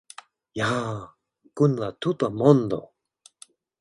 Ja kun la tuta mondo!